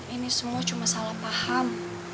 ini semua cuma salah paham